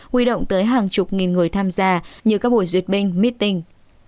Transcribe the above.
huy động tới hàng chục nghìn người tham gia như các buổi duyệt binh meeting